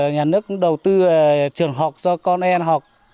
nhà nước cũng đầu tư trường học cho con em học